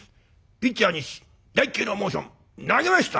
ピッチャー西第１球のモーション投げました！